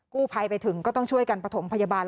ภัยไปถึงก็ต้องช่วยกันประถมพยาบาล